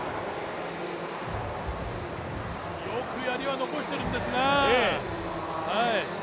よくやりは残しているんですが。